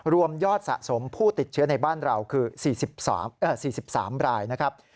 รวมยอดสะสมผู้ติดเชื้อในบ้านเราคือ๔๓รายนะครับ